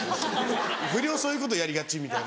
不良そういうことやりがちみたいな。